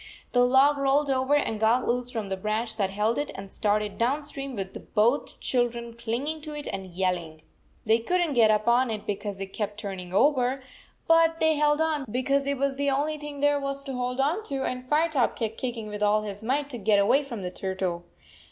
The log rolled over and got loose from the branch that held it and started down stream, with both children clinging to it and yelling. They could n t get up on it because it kept turning over, 85 but they held on because it was the only thing there was to hold on to, and Firetop kept kicking with all his might to get away from the turtle.